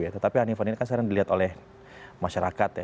tetapi hanifan ini kan sekarang dilihat oleh masyarakat ya